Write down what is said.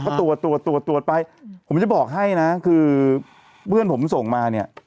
ก็ตัวตัวตรวจตรวจไปผมจะบอกให้นะคือเพื่อนผมส่งมาเนี่ย